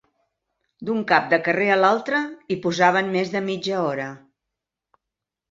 D'un cap de carrer a l'altre hi posaven més de mitja hora